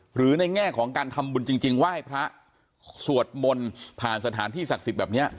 ในแง่ของการทำบุญจริงไหว้พระสวดมนต์ผ่านสถานที่ศักดิ์สิทธิ์แบบนี้